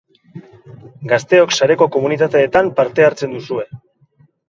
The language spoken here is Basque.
Gazteok sareko komunitateetan parte hartzen duzue.